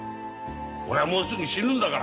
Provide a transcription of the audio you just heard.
俺はもうすぐ死ぬんだから。